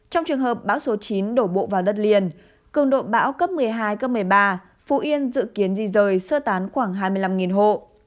trong trường hợp bão số chín đổ bộ vào đất liền cường độ bão cấp một mươi hai cấp một mươi ba phú yên dự kiến di rời sơ tán khoảng hai mươi năm hộ